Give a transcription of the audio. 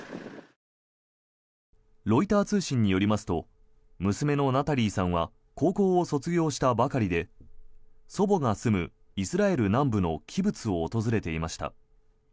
ロイター通信によりますと娘のナタリーさんは高校を卒業したばかりで祖母が住むイスラエル南部のキブツを訪れていました。